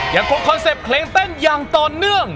ยังควบคอนเซ็ปต์เพลงแต้งอย่างต่อเนื่อง